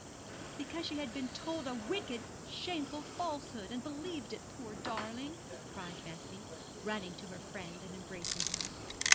'Because she had been told a wicked, shameful falsehood, and believed it, poor darling,' cried Bessie, running to her friend and embracing her.